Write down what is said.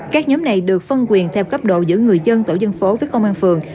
các nhóm này được phân quyền theo cấp độ giữa người dân tổ dân phố với công an phường